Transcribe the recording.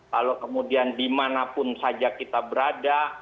lalu kemudian dimanapun saja kita berada